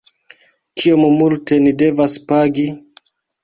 kiom multe ni devas pagi?